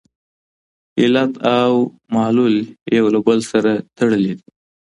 علت او معلول یو له بل سره تړلي دي.